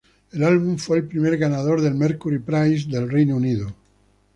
El álbum fue el primer ganador del Mercury Prize del Reino Unido.